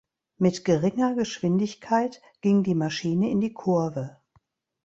Mit geringer Geschwindigkeit ging die Maschine in die Kurve.